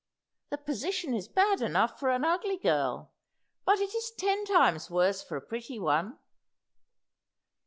The position is bad enough for an ugly girl; but it is ten times worse for a pretty one."